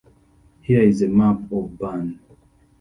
Here is a map of Berne.